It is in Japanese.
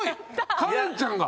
カレンちゃんが。